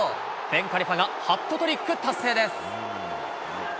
ベン・カリファがハットトリック達成です。